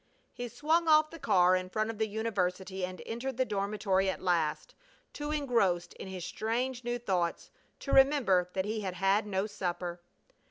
He swung off the car in front of the university and entered the dormitory at last, too engrossed in his strange new thoughts to remember that he had had no supper.